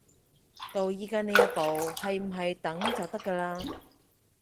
到而家呢一步，係唔係等就得㗎喇